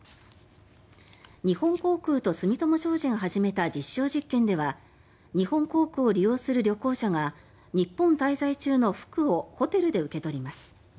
日本航空と住友商事が始めた実証実験では日本航空を利用する旅行者が日本滞在中の服をホテルで受け取ります。